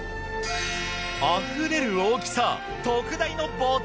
あふれる大きさ。